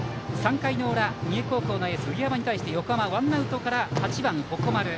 ３回裏、三重高校のエース上山に対して横浜、ワンアウトから８番、鉾丸。